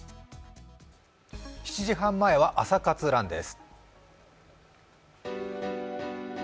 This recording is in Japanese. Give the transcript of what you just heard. ７時半前は「朝活ＲＵＮ」です。